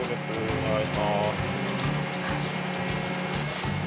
お願いします。